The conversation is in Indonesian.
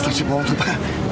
stasiun bawang tumpah